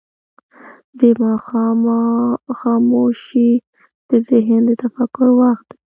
د ماښام خاموشي د ذهن د تفکر وخت دی.